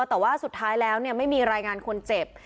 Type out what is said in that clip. แต่ว่าสุดท้ายแล้วไม่มีรายงานคนเจ็บ